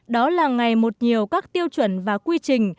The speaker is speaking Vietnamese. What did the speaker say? đó là ngày một nhiều các tiêu chuẩn và quy trình